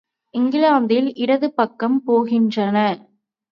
இங்கிலாந்தில் இடது பக்கம் போகின்றன.